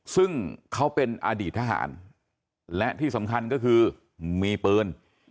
ซึ่งเขาเป็นอดีตทหารและที่สำคัญก็คือมีปืน